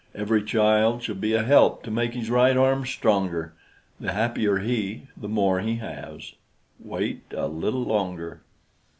Every child shall be a help To make his right arm stronger; The happier he, the more he has: Wait a little longer.